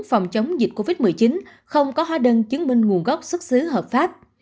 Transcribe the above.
phòng chống dịch covid một mươi chín không có hóa đơn chứng minh nguồn gốc xuất xứ hợp pháp